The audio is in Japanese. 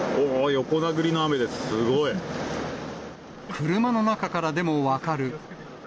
車の中からでも分かる。